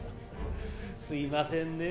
すいませんね